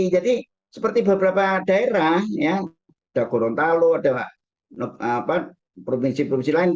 jadi seperti beberapa daerah ada gorontalo ada provinsi provinsi lain